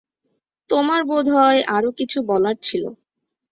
তোমার বোধহয় আরো কিছু বলার ছিল।